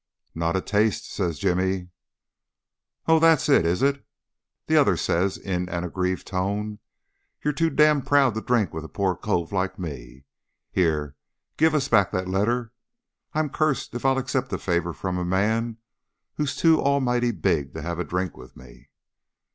"Not a taste," says Jimmy. "Oh, that's it, is it?" the other says in an aggrieved tone. "You're too damned proud to drink with a poor cove like me. Here give us back that letter. I'm cursed if I'll accept a favour from a man whose too almighty big to have a drink with me."